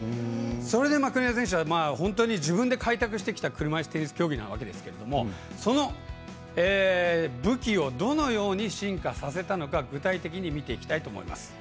それで国枝選手は本当に自分で開拓してきた車いすテニス競技なわけですがその武器をどのように進化させたのか具体的に見ていきたいと思います。